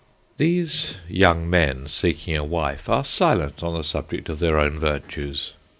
These young men seeking a wife are silent on the subject of their own virtues.